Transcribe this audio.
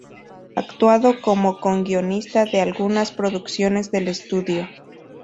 Actuando como coguionista de algunas producciones del estudio.